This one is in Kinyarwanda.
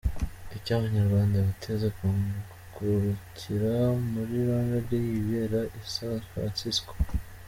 Icyo Abanyarwanda biteze kungukira muri Rwanda Day ibera i San Francisco.